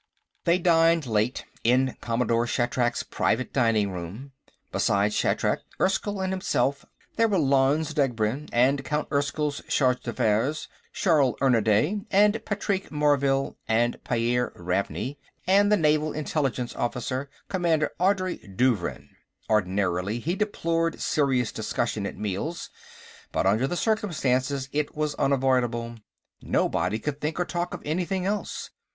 They dined late, in Commodore Shatrak's private dining room. Beside Shatrak, Erskyll and himself, there were Lanze Degbrend, and Count Erskyll's charge d'affaires, Sharll Ernanday, and Patrique Morvill and Pyairr Ravney and the naval intelligence officer, Commander Andrey Douvrin. Ordinarily, he deplored serious discussion at meals, but under the circumstances it was unavoidable; nobody could think or talk of anything else.